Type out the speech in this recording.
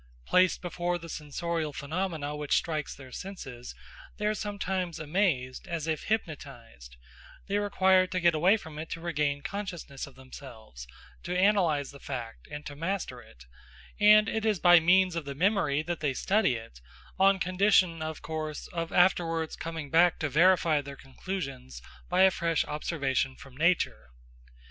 Placed before the sensorial phenomenon which strikes their senses, they are sometimes amazed, as if hypnotised; they require to get away from it to regain consciousness of themselves, to analyse the fact, and to master it, and it is by means of the memory that they study it, on condition, of course, of afterwards coming back to verify their conclusions by a fresh observation from nature.